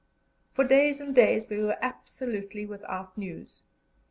For days and days we were absolutely without news.